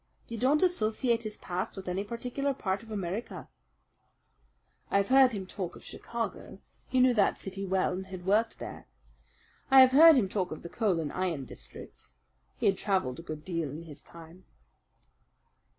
"You don't associate his past with any particular part of America?" "I have heard him talk of Chicago. He knew that city well and had worked there. I have heard him talk of the coal and iron districts. He had travelled a good deal in his time."